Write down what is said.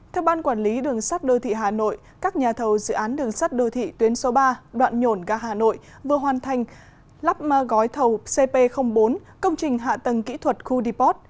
theo ban quản lý đường sắt đô thị hà nội các nhà thầu dự án đường sắt đô thị tuyến số ba đoạn nhổn ga hà nội vừa hoàn thành lắp gói thầu cp bốn công trình hạ tầng kỹ thuật khu deport